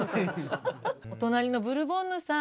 お隣のブルボンヌさん。